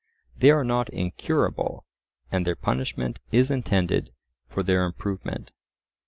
They are not incurable, and their punishment is intended for their improvement.